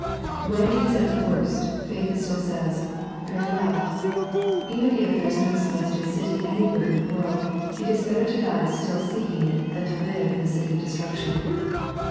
When it is at the worst, faith still says, Very well; even if there is no Celestial City anywhere in the world, it is better to die still seeking it than to live on in the City of Destruction.